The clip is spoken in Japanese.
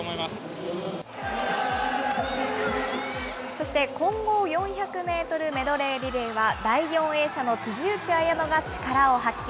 そして混合４００メートルメドレーリレーは、第４泳者の辻内彩野が力を発揮。